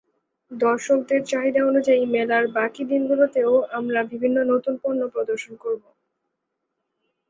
দর্শকদের চাহিদা অনুযায়ী মেলার বাকি দিনগুলোতেও আমরা বিভিন্ন নতুন পণ্য প্রদর্শন করব।